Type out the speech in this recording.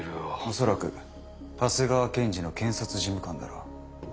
恐らく長谷川検事の検察事務官だろう。